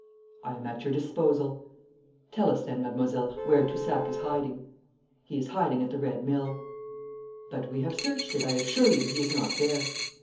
'I am at your disposal.' 'Tell us then, mademoiselle, where Toussac is hiding.' 'He is hiding at the Red Mill.' 'But we have searched it, I assure you that he is not there.'